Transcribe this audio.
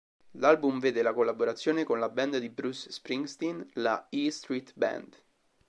L'album vede la collaborazione con la band di Bruce Springsteen, la E Street Band.